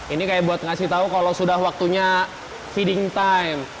ini kayak buat ngasih tau kalau sudah waktunya feeding time